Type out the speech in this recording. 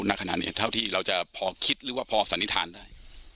ณขณะนี้เท่าที่เราจะพอคิดหรือว่าพอสันนิษฐานได้